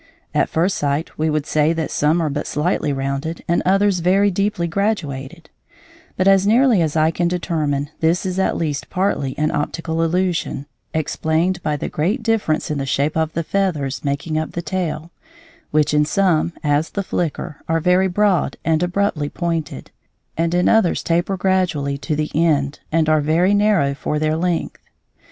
At first sight we would say that some are but slightly rounded and others very deeply graduated; but as nearly as I can determine this is at least partly an optical illusion, explained by the great difference in the shape of the feathers making up the tail, which in some, as the flicker, are very broad and abruptly pointed, and in others taper gradually to the end and are very narrow for their length.